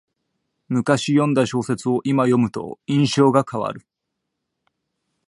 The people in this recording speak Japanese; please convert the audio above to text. むかし読んだ小説をいま読むと印象が変わる